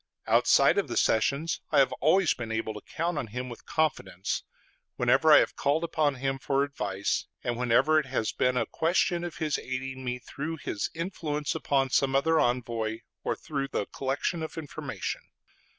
Outside of the sessions I have always been able to count on him with confidence, whenever I have called upon him for advice, and whenever it has been a question of his aiding me through his influence upon some other envoy or through the collection of information.